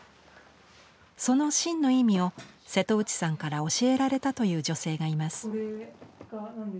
その真の意味を瀬戸内さんから教えられたという女性がいます。